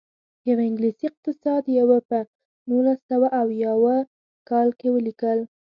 یوه انګلیسي اقتصاد پوه په نولس سوه اویاووه کال کې ولیکل.